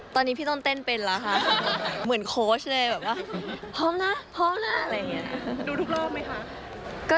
ตอนนี้พี่ต้นเต้นเป็นแล้วค่ะเหมือนโค้ชเลยแบบว่าพร้อมนะพร้อมนะอะไรอย่างนี้ดูทุกรอบไหมคะ